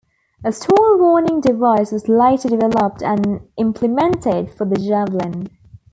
A stall warning device was later developed and implemented for the Javelin.